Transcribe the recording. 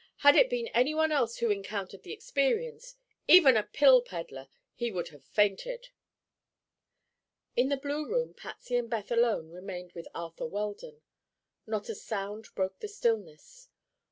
"Had it been anyone else who encountered the experience—even a pill peddler—he would have fainted." In the blue room Patsy and Beth alone remained with Arthur Weldon. Not a sound broke the stillness.